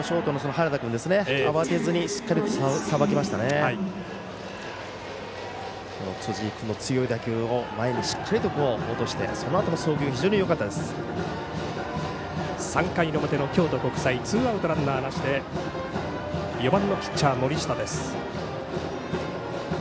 辻井君の強い打球を前にしっかりと落として３回の表の京都国際ツーアウトランナーなしでバッターは４番ピッチャー、森下。